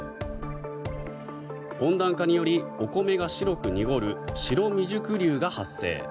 温暖化によりお米が白く濁る白未熟粒が発生。